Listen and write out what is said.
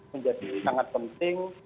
menjadi sangat penting